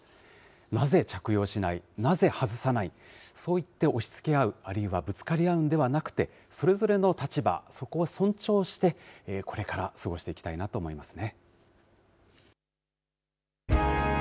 なぜ着用しない、なぜ外さない、そう言って押しつけ合う、あるいはぶつかり合うんではなくて、それぞれの立場、そこを尊重して、これから過ごしていきたいなと思いますね。